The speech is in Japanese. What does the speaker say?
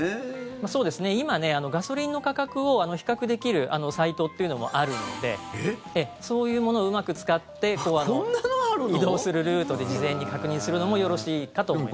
今、ガソリンの価格を比較できるサイトもあるんでそういうものをうまく使って移動するルートで事前に確認するのもよろしいかと思います。